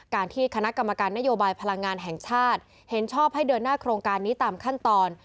ที่คณะกรรมการนโยบายพลังงานแห่งชาติเห็นชอบให้เดินหน้าโครงการนี้ตามขั้นตอน